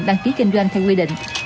đăng ký kinh doanh theo quy định